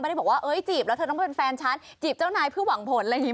ได้บอกว่าเอ้ยจีบแล้วเธอต้องไปเป็นแฟนฉันจีบเจ้านายเพื่อหวังผลอะไรอย่างนี้